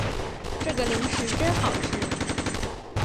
这个零食真好吃